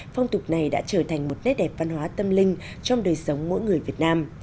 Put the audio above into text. phong tục này đã trở thành một nét đẹp văn hóa tâm linh trong đời sống mỗi người việt nam